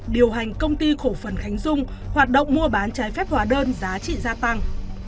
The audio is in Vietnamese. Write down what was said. điều hành công ty cổ phần khánh dung hoạt động mua bán trái phép hóa đơn giá trị gia tăng